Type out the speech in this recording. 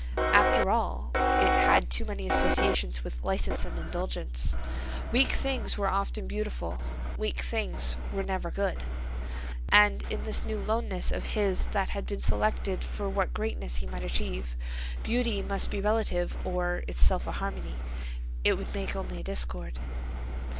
After all, it had too many associations with license and indulgence. Weak things were often beautiful, weak things were never good. And in this new loneness of his that had been selected for what greatness he might achieve, beauty must be relative or, itself a harmony, it would make only a discord.